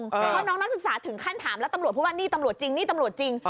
เพราะน้องนักศึกษาถึงขั้นถามแล้วตำรวจพูดว่านี่ตำรวจจริงนี่ตำรวจจริง